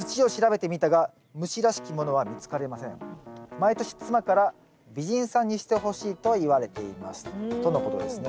「毎年妻から美人さんにしてほしいと言われています」とのことですね。